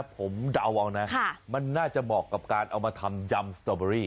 ผมเดาเอานะมันน่าจะเหมาะกับการเอามาทำยำสตอเบอรี่